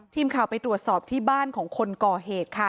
ทีมข่าวไปตรวจสอบที่บ้านของคนก่อเหตุค่ะ